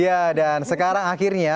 ya dan sekarang akhirnya